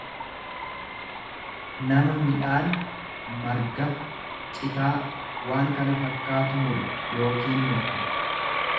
nama midhaan, marga, citaa waan kana fakkaatu. muru yookiin murtu.